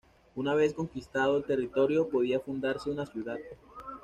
Una vez conquistado el territorio, podía fundarse una ciudad.